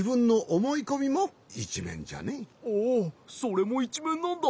それもいちめんなんだ！